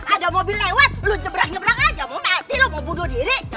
ada mobil lewat lu jebrang jebrang aja mau mati lu mau bunuh diri